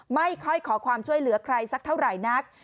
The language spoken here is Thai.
ไม่ค่อยขอความช่วยเหลือใครสักเท่าไหร่นัก